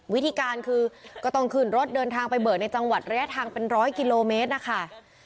วิธีการคือก็ต้องขึ้นรถเดินทางไปเบิกในจังหวัดระยะทางเป็นร้อยกิโลเมตรนะคะ